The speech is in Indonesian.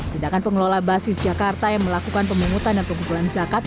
tindakan pengelola basis jakarta yang melakukan pemungutan dan pemukulan zakat